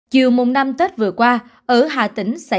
chiều mùng năm tết vừa qua ở hà tĩnh